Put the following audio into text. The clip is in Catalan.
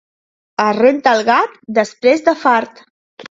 Es renta el gat després de fart.